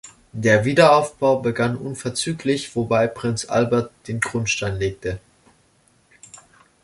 Der Wiederaufbau begann unverzüglich, wobei Prinz Albert den Grundstein legte.